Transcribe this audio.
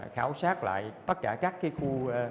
khảo sát lại tất cả các cái khu